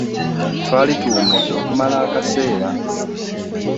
Twali tuwummudde okumala akaseera.